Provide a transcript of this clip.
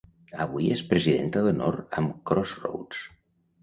Avui és presidenta d'honor amb Crossroads.